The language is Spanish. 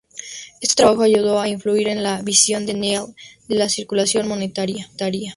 Este trabajo ayudó a influir en la visión de Nell de la "circulación monetaria".